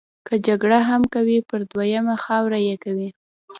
که جګړه هم کوي پر دویمه خاوره یې کوي.